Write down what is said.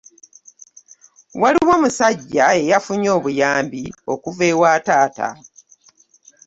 Waliwo omusajja eyafunye obuyambi okuva ewa taata.